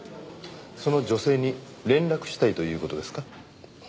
その女性に連絡したいという事ですか？